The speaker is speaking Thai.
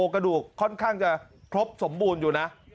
กระดูกค่อนข้างจะครบสมบูรณ์อยู่นะ